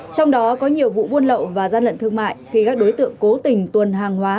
trong đó có nhiều vụ buôn lậu và gian lận thương mại khi các đối tượng cố tình tuần hàng hóa